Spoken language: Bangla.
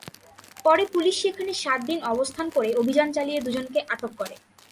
পরে পুলিশ সেখানে সাত দিন অবস্থান করে অভিযান চালিয়ে দুজনকে আটক করে।